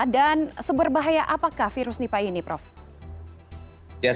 dan seberbahaya apakah virus nipah ini prof